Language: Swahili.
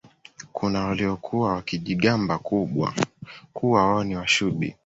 kuna waliokuwa wakijigamba kuwa wao ni Washubi